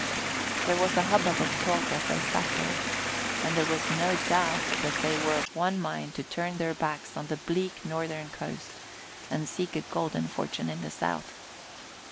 There was a hubbub of talk as they sat there, and there was no doubt but they were of one mind to turn their backs on the bleak northern coast and seek a golden fortune in the south.